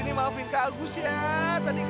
jadi mau mana sisul's teman bernie